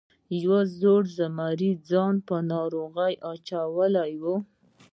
یو زاړه زمري ځان ناروغ واچاوه.